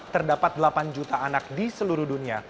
terdapat delapan juta anak di seluruh dunia